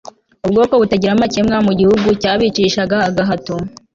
ubwoko butagira amakemwa, mu gihugu cyabicishaga agahato